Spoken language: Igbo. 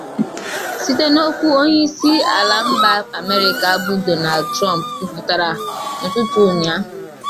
Site n’okwu onye isi ala mba Amerịka bụ Donald Trump kwuputere n’ụtụtụ ụnyaa